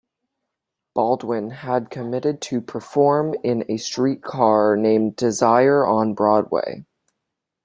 Baldwin had committed to perform in "A Streetcar Named Desire" on Broadway.